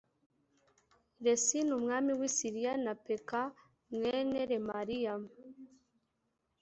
resini umwami w i siriya na peka mwene remaliya